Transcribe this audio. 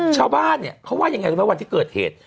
ชาวบ้านเขาว่าอย่างไรวันที่เกิดเหตุ